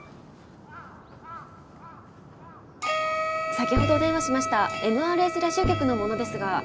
先ほどお電話しましたＭＲＳラジオ局の者ですが。